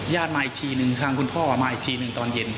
มาอีกทีหนึ่งทางคุณพ่อมาอีกทีหนึ่งตอนเย็น